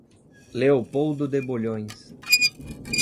Leopoldo de Bulhões